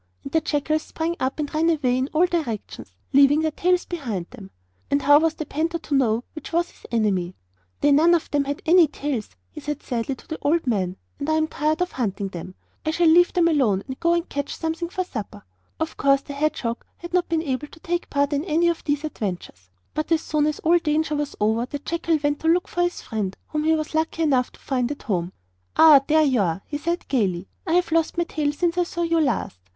And the jackals sprang up and ran away in all directions, leaving their tails behind them. And how was the panther to know which was his enemy? 'They none of them had any tails,' he said sadly to the old man, 'and I am tired of hunting them. I shall leave them alone and go and catch something for supper.' Of course the hedgehog had not been able to take part in any of these adventures; but as soon as all danger was over, the jackal went to look for his friend, whom he was lucky enough to find at home. 'Ah, there you are,' he said gaily. 'I have lost my tail since I saw you last.